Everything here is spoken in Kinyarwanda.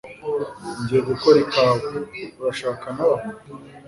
ngiye gukora ikawa. urashaka na bamwe